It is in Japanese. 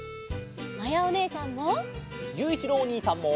まやおねえさんも！